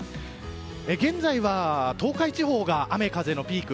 現在は東海地方が雨風のピーク。